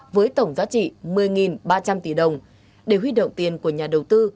với tổng giá trị một mươi ba trăm linh tỷ đồng để huy động tiền của nhà đầu tư